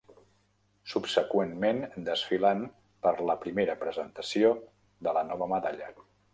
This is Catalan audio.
Subseqüentment desfilant per la primera presentació de la nova medalla.